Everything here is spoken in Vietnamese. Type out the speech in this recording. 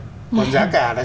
còn giá cả là